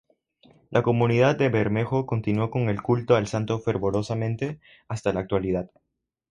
La comunidad de Bermejo continuó con el culto al santo fervorosamente hasta la actualidad.